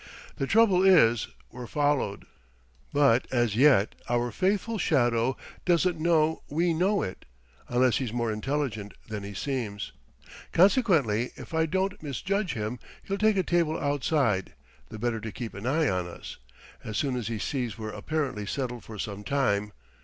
The trouble is, we're followed. But as yet our faithful shadow doesn't know we know it unless he's more intelligent than he seems. Consequently, if I don't misjudge him, he'll take a table outside, the better to keep an eye on us, as soon as he sees we're apparently settled for some time.